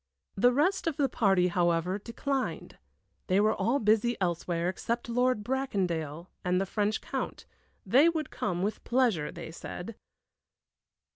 The rest of the party, however, declined. They were all busy elsewhere, except Lord Bracondale and the French Count they would come, with pleasure, they said.